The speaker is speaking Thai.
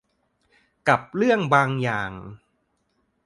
กับเรื่องบางอย่าง